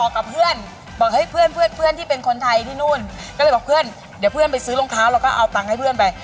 ก็เลยบอกเพื่อนเดี๋ยวเพื่อนไปซื้อรองเท้าเราก็เอาตังให้เพื่อนไป